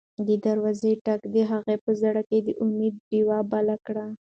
د دروازې ټک د هغې په زړه کې د امید ډېوه بله کړه.